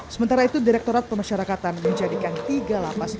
sementara itu direktorat pemasyarakatan menjadikan tiga lapas